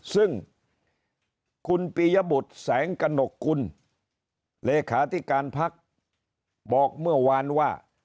ซึ่งคุณปียบุตรแสงกระหนกกุลเลขาธิการพักบอกเมื่อวานว่า